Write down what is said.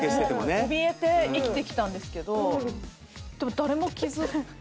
おびえて生きてきたんですけどでも誰も気付かない。